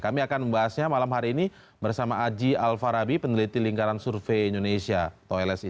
kami akan membahasnya malam hari ini bersama aji alfarabi peneliti lingkaran survei indonesia atau lsi